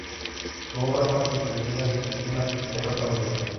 Su obra más difundida se titula "Derrota mundial".